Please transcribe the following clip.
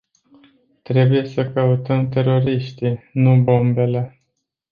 Trebuie să căutăm teroriștii, nu bombele.